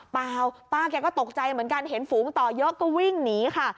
เปล่าป้าแกก็ตกใจเหมือนกันเห็นฝูงต่อเยอะก็วิ่งหนีค่ะ